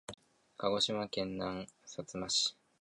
鹿児島県南さつま市